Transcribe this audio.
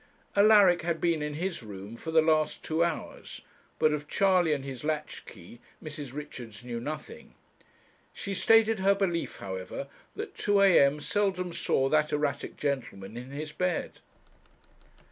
Alaric had been in his room for the last two hours, but of Charley and his latch key Mrs. Richards knew nothing. She stated her belief, however, that two a.m. seldom saw that erratic gentleman in his bed.